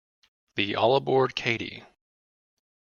The All Aboard Katy!